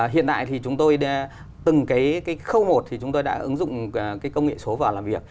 hiện tại thì chúng tôi từng cái khâu một thì chúng tôi đã ứng dụng công nghệ số vào làm việc